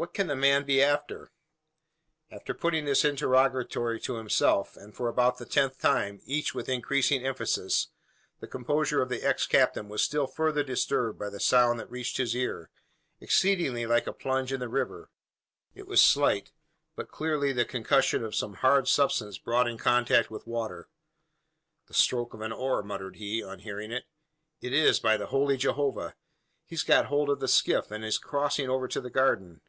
"What can the man be after?" After putting this interrogatory to himself, and for about the tenth time each with increasing emphasis the composure of the ex captain was still further disturbed by a sound that reached his ear, exceedingly like a plunge in the river. It was slight, but clearly the concussion of some hard substance brought in contact with water. "The stroke of an oar," muttered he, on hearing it. "Is, by the holy Jehovah! He's got hold of the skiff, and's crossing over to the garden.